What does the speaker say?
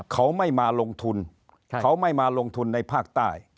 เขาไม่มาลงทุนเขาไม่มาลงทุนในภาคใต้